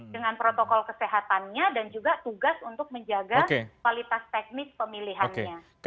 dengan protokol kesehatannya dan juga tugas untuk menjaga kualitas teknis pemilihannya